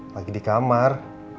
lagi di kamar